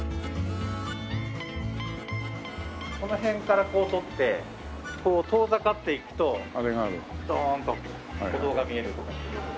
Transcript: この辺からこう撮って遠ざかっていくとどーんとお堂が見えるとか。